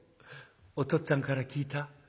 お父っつぁんから聞いた。